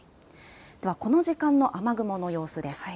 ではこの時間の雨雲の様子です。